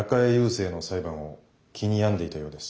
聖の裁判を気に病んでいたようです。